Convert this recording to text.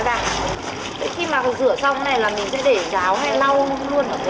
đấy khi mà rửa xong này là mình sẽ để cháo hay lau không luôn hả cô